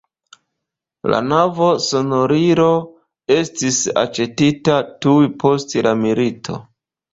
La nova sonorilo estis aĉetita tuj post la milito.